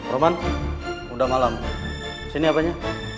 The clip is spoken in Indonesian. roman udah malam sini apanya